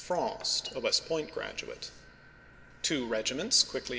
Frost, a West Point graduate. Two regiments quickly Vol.